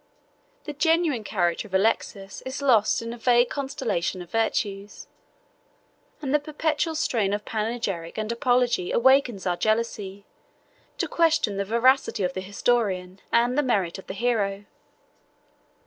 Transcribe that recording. The genuine character of Alexius is lost in a vague constellation of virtues; and the perpetual strain of panegyric and apology awakens our jealousy, to question the veracity of the historian and the merit of the hero.